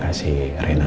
nah ini ada ulang